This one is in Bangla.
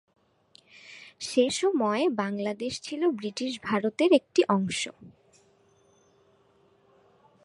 সেসময় বাংলাদেশ ছিলো ব্রিটিশ ভারতের একটি অংশ।